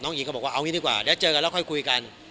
หญิงก็บอกว่าเอางี้ดีกว่าเดี๋ยวเจอกันแล้วค่อยคุยกัน